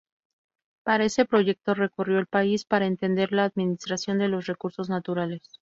Para ese proyecto recorrió el país para entender la administración de los recursos naturales.